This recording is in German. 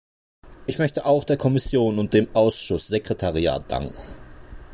Ich möchte auch der Kommission und dem Ausschusssekretariat danken.